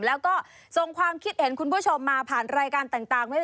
แล้วก็ส่งความคิดเห็นคุณผู้ชมมาผ่านรายการต่างไว้